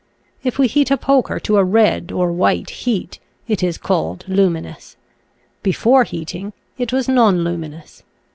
If we heat a poker to a red or white heat it is called luminous; before heating, it was nonluminous.